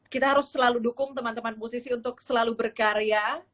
kita harus selalu dukung teman teman musisi untuk selalu berkarya